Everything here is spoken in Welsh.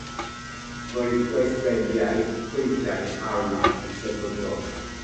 Roedd gweithrediadau pwyntiau arnawf yn safonol.